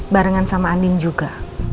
barengan sama andin juga